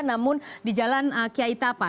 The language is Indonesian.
namun di jalan kiai tapa